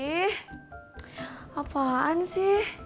ih apaan sih